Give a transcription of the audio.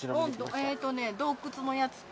えっとね洞窟のやつと。